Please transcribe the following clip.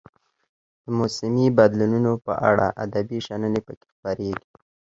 د موسمي بدلونونو په اړه ادبي شننې پکې خپریږي.